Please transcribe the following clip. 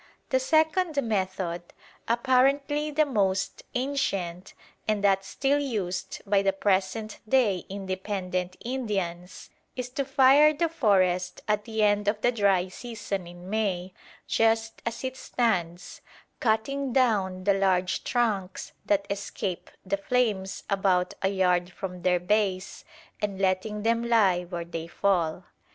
The second method, apparently the most ancient and that still used by the present day independent Indians, is to fire the forest at the end of the dry season in May just as it stands, cutting down the large trunks that escape the flames about a yard from their base, and letting them lie where they fall.